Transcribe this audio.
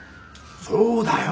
そうだよ。